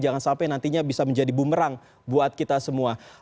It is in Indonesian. jangan sampai nantinya bisa menjadi bumerang buat kita semua